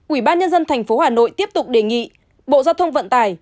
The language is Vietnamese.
ủy ban nhân dân thành phố hà nội tiếp tục đề nghị bộ giao thông vận tải